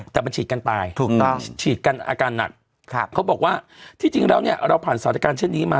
แต่มันฉีดกันตายถูกต้องฉีดกันอาการหนักเขาบอกว่าที่จริงแล้วเนี่ยเราผ่านสถานการณ์เช่นนี้มา